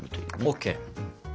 ＯＫ。